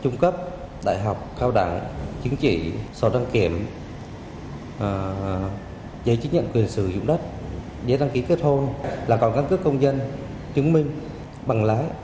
giấy chức nhận quyền sử dụng đất giấy đăng ký kết hôn là còn các cước công dân chứng minh bằng lái